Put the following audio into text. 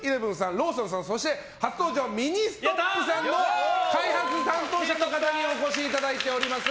ローソンさん、そして初登場、ミニストップさんの開発担当者の方にお越しいただいております。